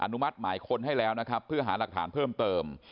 นุมัติหมายค้นให้แล้วนะครับเพื่อหาหลักฐานเพิ่มเติม